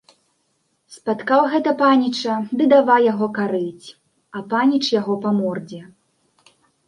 Спаткаў гэта паніча ды давай яго карыць, а паніч яго па мордзе.